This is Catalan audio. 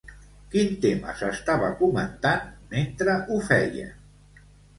Quin tema s'estava comentant, mentre ho feia?